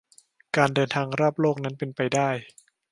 การเดินทางรอบโลกนั้นเป็นไปได้